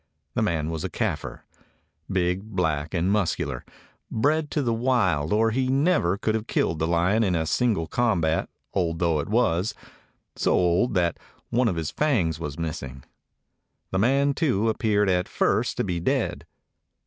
The man was a Kafir; big, black, and mus cular; bred to the wild, or he never could have killed the lion in single combat, old though it was — so old that one of its fangs was miss ing. The man, too, appeared at first to be dead.